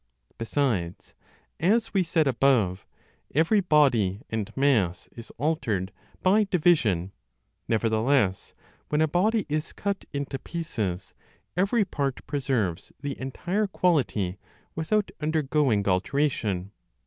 Besides, as we said above, every body and mass is altered by division; nevertheless, when a body is cut into pieces, every part preserves the entire quality without undergoing alteration.